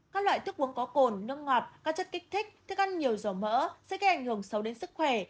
các loại thức uống có cồn nước ngọt các chất kích thích thức ăn nhiều dầu mỡ sẽ gây ảnh hưởng sâu đến sức khỏe